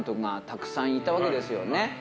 たくさんいたわけですよね。